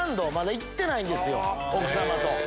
奥様と。